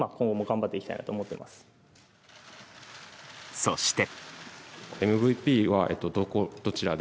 そして。